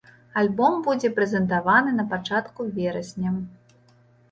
Альбом будзе прэзентаваны на пачатку верасня.